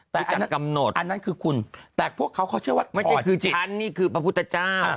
แต่อันนั้นคือคุณแต่พวกเขาเขาเชื่อว่าถอดจิตไม่ใช่คือฉันนี่คือพระพุทธเจ้า